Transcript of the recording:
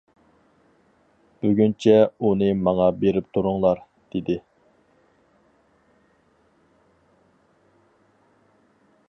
بۈگۈنچە ئۇنى ماڭا بېرىپ تۇرۇڭلار، -دېدى.